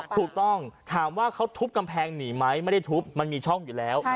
ถูกต้องถามว่าเขาทุบกำแพงหนีไหมไม่ได้ทุบมันมีช่องอยู่แล้ว